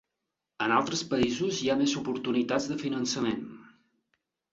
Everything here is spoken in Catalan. En altres països hi ha més oportunitats de finançament.